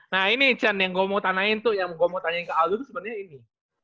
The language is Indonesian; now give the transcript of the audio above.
nah ini chan yang gue mau tanyain tuh yang gue mau tanyain ke album itu sebenarnya ini